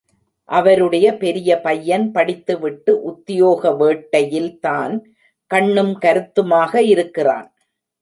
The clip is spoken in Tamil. அவருடைய பெரிய பையன் படித்து விட்டு உத்தியோக வேட்டையில்தான் கண்ணும் கருத்துமாக இருக்கிறான்.